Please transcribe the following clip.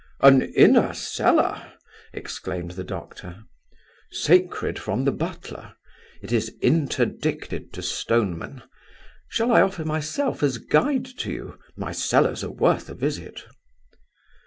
"An inner cellar!" exclaimed the doctor. "Sacred from the butler. It is interdicted to Stoneman. Shall I offer myself as guide to you? My cellars are worth a visit."